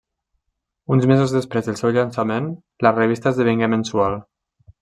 Uns mesos després del seu llançament, la revista esdevingué mensual.